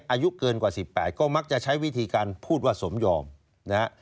อายุเกินกว่า๑๘ก็มักจะใช้วิธีการพูดว่าสมยอมนะฮะ